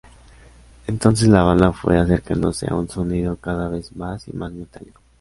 Entonces la banda fue acercándose a un sonido cada vez más y más metálico.